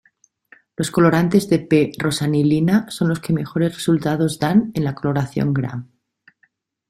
Los colorantes de p-rosanilina son los que mejores resultados dan en la coloración gram.